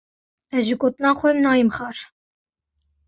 Ez ji gotina xwe nayêm xwar.